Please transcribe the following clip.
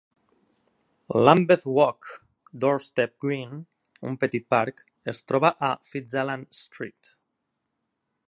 Lambeth Walk Doorstep Green, un petit parc, es troba a Fitzalan Street.